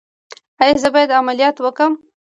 ایا زه باید عملیات وکړم؟